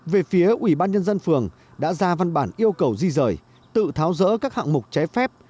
về phía ủy ban nhân dân phường đã ra văn bản yêu cầu di rời tự tháo rỡ các hạng mục trái phép